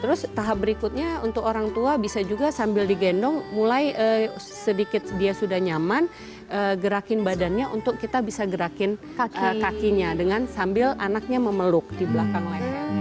terus tahap berikutnya untuk orang tua bisa juga sambil digendong mulai sedikit dia sudah nyaman gerakin badannya untuk kita bisa gerakin kakinya dengan sambil anaknya memeluk di belakang leher